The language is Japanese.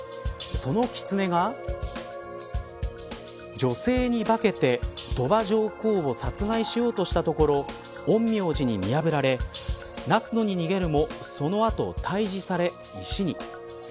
そのキツネが女性に化けて鳥羽上皇を殺害しようとしたところ陰陽師に見破られ那須野に逃げるもそのあと退治され石に。